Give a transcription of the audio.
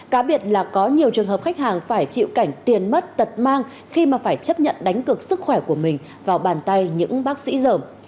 cá biệt là có nhiều trường hợp khách hàng phải chịu cảnh tiền mất tật mang khi mà phải chấp nhận đánh cực sức khỏe của mình vào bàn tay những bác sĩ dởm